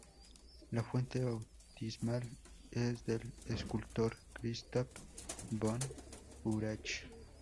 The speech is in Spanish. La fuente bautismal es del escultor Christoph von Urach.